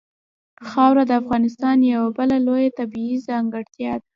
خاوره د افغانستان یوه بله لویه طبیعي ځانګړتیا ده.